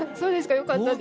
よかったです。